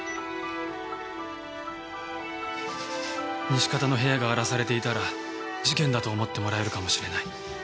西片の部屋が荒らされていたら事件だと思ってもらえるかもしれない。